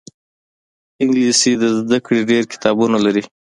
انګلیسي د زده کړې ډېر کتابونه لري